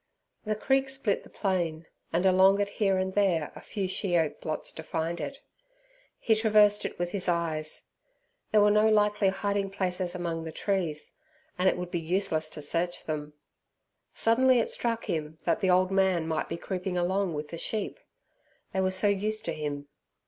The creek split the plain, and along it here and there a few sheoak blots defined it. He traversed it with his eyes. There were no likely hiding places among the trees, and it would be useless to search them. Suddenly it struck him that the old man might be creeping along with the sheep they were so used to him.